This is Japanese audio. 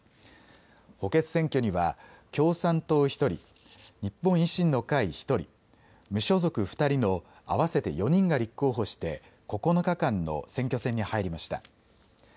補欠選挙には共産党１人、日本維新の会１人、無所属２人の合わせて４人が立候補して９日間の選挙戦に入りました。